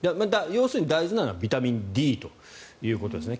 要するに大事なのはビタミンＤということですね。